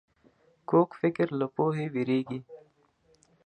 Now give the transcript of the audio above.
کوږ فکر له پوهې وېرېږي